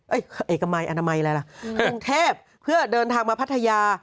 เอกมัยอนามัยอะไรล่ะกรุงเทพเพื่อเดินทางมาพัทยา